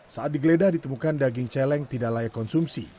saat digeledah ditemukan daging celeng tidak layak konsumsi